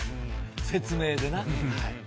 説明でな。